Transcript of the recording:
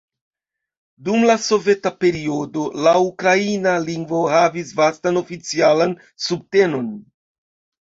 Dum la soveta periodo, la ukraina lingvo havis vastan oficialan subtenon.